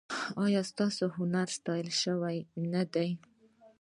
ایا ستاسو هنر ستایل شوی نه دی؟